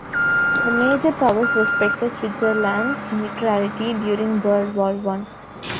The major powers respected Switzerland's neutrality during World War One.